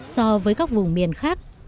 so với các vùng miền khác